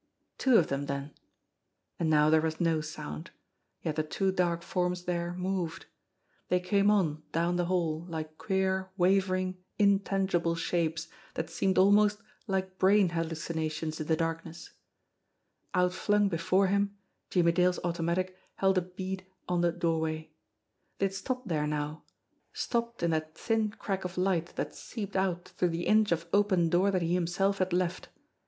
Two of them, then! And now there was no sound yet the two dark forms there moved. They came on down the hall like queer, wavering, intangible shapes that seemed almost like brain hallucinations in the darkness. Outflung before him, Jimmie Dale's automatic held a bead on the doorway. They had stopped there now, stopped in that thin crack of light that seeped out through the inch of open door that he himself had left.